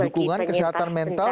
dukungan kesehatan mental